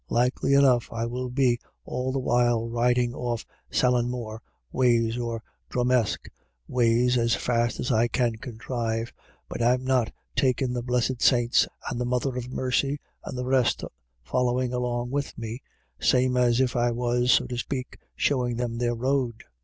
Likely enough I may be all the while riding off Sallinmore ways or Drumesk ways as fast as I can contrive, but I'm not taking the blessed saints and the Mother of Mercy, and the rest following along with me same as if I was, so to speak, showing them their road.